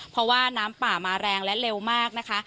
เพราะว่าน้ำป่ามาแรงและเร็วมากนะคะ